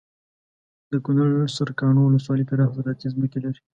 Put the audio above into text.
دکنړ سرکاڼو ولسوالي پراخه زراعتي ځمکې لري